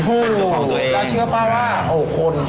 เป็นคนของตัวเองอุ้ยคุณบูมคุณแฮนด์คุณบูมคุณแฮนด์